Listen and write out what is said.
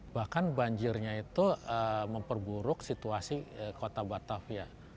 bahkan banjirnya itu memperburuk situasi kota batavia